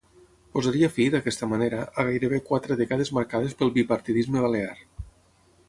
Posaria fi, d’aquesta manera, a gairebé quatre dècades marcades pel bipartidisme balear.